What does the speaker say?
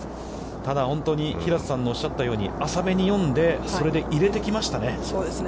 ただ、本当に平瀬さんのおっしゃったように、浅めに読んで、それで入れてきましたね。